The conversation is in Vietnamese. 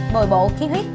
bồi bộ khí huyết